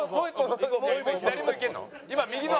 左もいけるの？